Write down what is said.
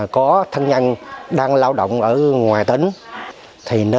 có thanh nhanh đang lao động ở ngoài